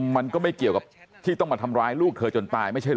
มันก็ไม่เกี่ยวกับที่ต้องมาทำร้ายลูกเธอจนตายไม่ใช่เหรอ